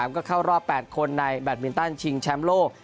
ก็เข้ารอบ๘คนในแบตมินตันชิงแชมป์โลก